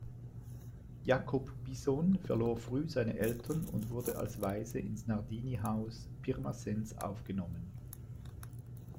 Jakob Bisson verlor früh seine Eltern und wurde als Waise ins Nardini-Haus Pirmasens aufgenommen.